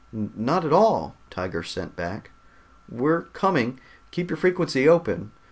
"Not at all," Tiger sent back. "We're coming. Keep your frequency open.